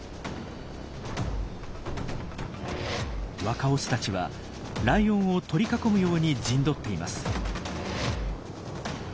若オスたちはライオンを取り囲むように陣取っています。